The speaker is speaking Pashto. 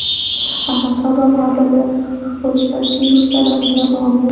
احمدشاه بابا به له خپلو سرتېرو سره مهربان و.